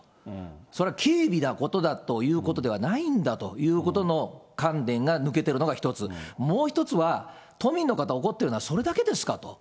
それは軽微なことだということではないんだということの観念が抜けているのが一つ、もう一つは、都民の方怒ってるのはそれだけですかと。